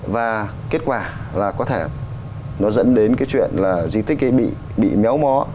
và kết quả là có thể nó dẫn đến cái chuyện là di tích ấy bị méo mó